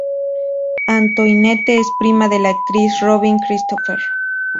Antoinette es prima de la actriz Robin Christopher.